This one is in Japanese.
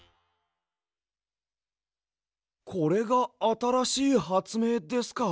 これがあたらしいはつめいですか。